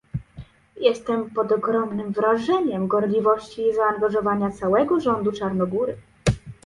Jestem pod ogromnym wrażeniem gorliwości i zaangażowania całego rządu Czarnogóry